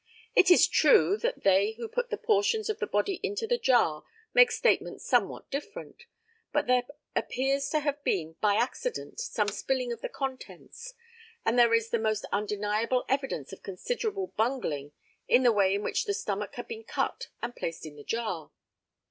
It is true that they who put the portions of the body into the jar make statements somewhat different. But there appears to have been by accident some spilling of the contents, and there is the most undeniable evidence of considerable bungling in the way in which the stomach had been cut and placed in the jar.